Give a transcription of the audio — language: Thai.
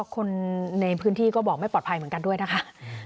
คนในพื้นที่ก็บอกไม่ปลอดภัยเหมือนกันด้วยนะคะ